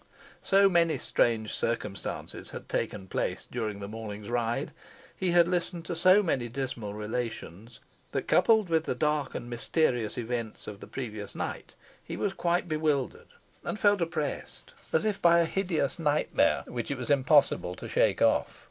So many strange circumstances had taken place during the morning's ride; he had listened to so many dismal relations, that, coupled with the dark and mysterious events of the previous night, he was quite bewildered, and felt oppressed as if by a hideous nightmare, which it was impossible to shake off.